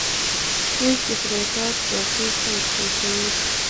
اوس دې خدای پاک باقي خیر پېښوي.